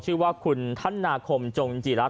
ชื่อว่าคุณท่านนาคมจงจิรัตน์